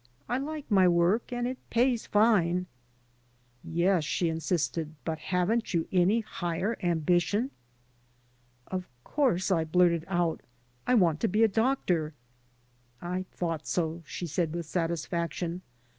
I hke my work, and it pays fine.'* "Yes," she insisted, "but haven't you any higher ambition?" "Of course," I blurted out; "I want to be a doctor." "I thought so," she said, with satisfaction.